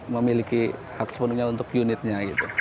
memiliki hak sepenuhnya untuk unitnya